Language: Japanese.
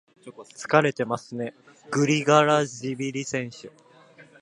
疲れてますね、グリガラシビリ選手。